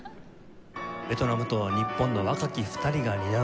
ベトナムと日本の若き２人が担う